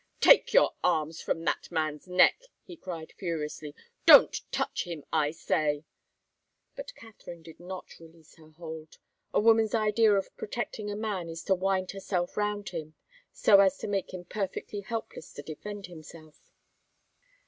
"Take your arms from that man's neck!" he cried, furiously. "Don't touch him, I say!" But Katharine did not release her hold. A woman's idea of protecting a man is to wind herself round him, so as to make him perfectly helpless to defend himself.